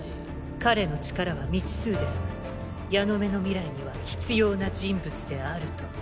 彼の力は未知数ですがヤノメの未来には必要な人物であると。